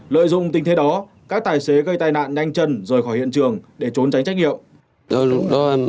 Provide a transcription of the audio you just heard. lợi dụng tình thế đó các tài xế gây tai nạn nhanh chân rời khỏi hiện trường để trốn tránh trách nhiệm